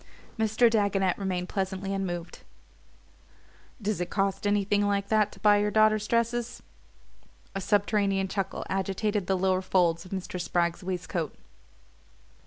Mr. Dagonet remained pleasantly unmoved. "Does it cost anything like that to buy your daughter's dresses?" A subterranean chuckle agitated the lower folds of Mr. Spragg's waistcoat.